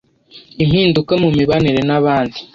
impinduka mu mibanire n’abandi